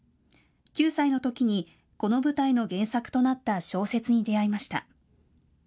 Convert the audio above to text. ９歳のときにこの舞台の原作となった小説に出会いました。